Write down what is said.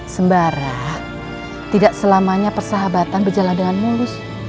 sembara tidak selamanya persahabatan berjalan dengan mulus